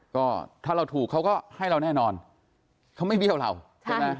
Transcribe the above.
ก็ถ้าเราถูกเขาก็ให้เราแน่นอนเขาไม่เบี้ยวเราใช่ไหม